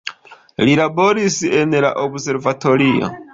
Li laboris en la observatorio.